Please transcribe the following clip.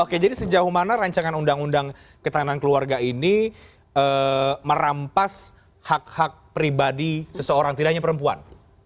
oke jadi sejauh mana rancangan undang undang ketahanan keluarga ini merampas hak hak pribadi seseorang tidak hanya perempuan